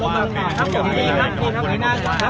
ขอช่วยคุณพี่อีกท่านหนึ่งครับ